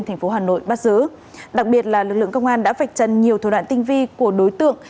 thành phố hà nội bắt giữ đặc biệt là lực lượng công an đã vạch chân nhiều thủ đoạn tinh vi của đối tượng